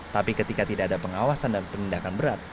tapi ketika tidak ada pengawasan dan penindakan berat